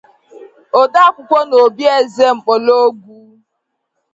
odeakwụkwọ n'obi eze Mkpologwu